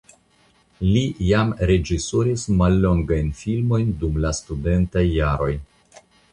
Li jam reĝisoris mallongajn filmojn dum la studentaj jaroj.